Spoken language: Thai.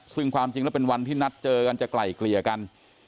ซึ่งความจริงแล้วเป็นวันที่นัดเจอกันจะไกล่เกลี่ยกัน